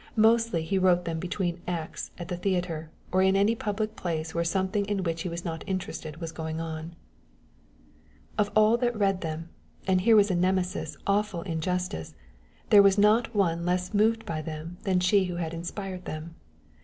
Mostly he wrote them between acts at the theatre, or in any public place where something in which he was not interested was going on. Of all that read them, and here was a Nemesis awful in justice, there was not one less moved by them than she who had inspired them.